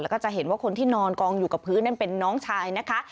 แล้วก็จะเห็นว่าคนที่นอนกองอยู่กับพื้นนั่นเป็นน้องชายนะคะ